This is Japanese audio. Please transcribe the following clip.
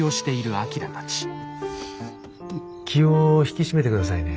気を引き締めて下さいね。